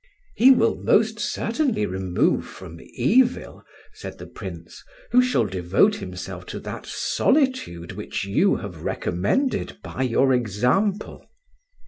"He will most certainly remove from evil," said the Prince, "who shall devote himself to that solitude which you have recommended by your example."